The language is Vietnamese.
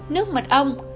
hai nước mật ong